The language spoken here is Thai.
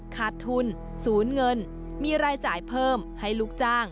ขาดทุนศูนย์เงินมีรายจ่ายเพิ่มให้ลูกจ้าง